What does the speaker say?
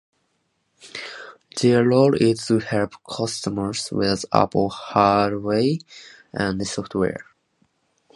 Their role is to help customers with Apple hardware and software.